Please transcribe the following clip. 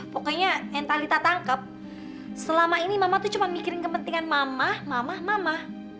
pokoknya yang talita tangkep selama ini mama tuh cuma mikirin kepentingan mama mama